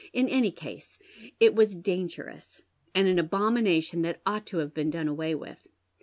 In any case it was dangerous, and an abomination that ought to have been dou. away witli.